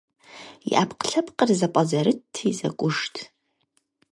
И Ӏэпкълъэпкъыр зэпӀэзэрытти, зэкӀужт.